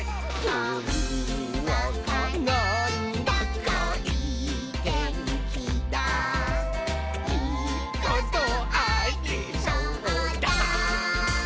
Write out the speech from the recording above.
「ほんわかなんだかいいてんきだいいことありそうだ！」